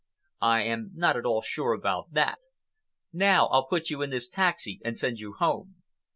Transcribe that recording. "I am not at all sure about that. Now I'll put you in this taxi and send you home."